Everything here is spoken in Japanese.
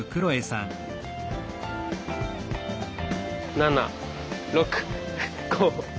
７６５４。